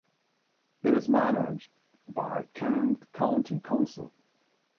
It is managed by Kent County Council.